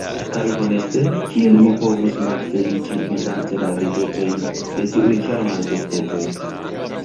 Kaj honeste, kiel mi povus malfeliĉi vidante la ridetojn de tiuj ĉarmaj bestetoj?